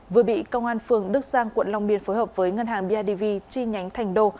vừa bị công an phường đức giang quận long biên phối hợp với ngân hàng bidv chi nhánh thành đô